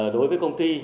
đối với công ty